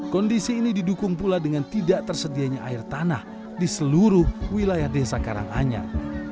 kondisi ini didukung pula dengan tidak tersedianya air tanah di seluruh wilayah desa karanganyar